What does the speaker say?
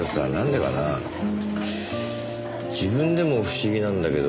自分でも不思議なんだけど。